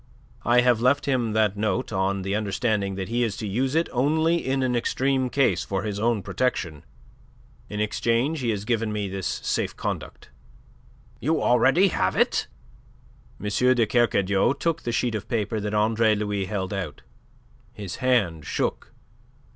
I have left him that note on the understanding that he is to use it only in an extreme case, for his own protection. In exchange he has given me this safe conduct." "You already have it!" M. de Kercadiou took the sheet of paper that Andre Louis held out. His hand shook.